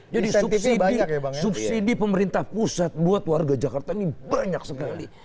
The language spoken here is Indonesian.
jadi subsidi pemerintah pusat buat warga jakarta ini banyak sekali